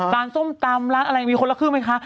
ส้มตำร้านอะไรมีคนละครึ่งไหมคะ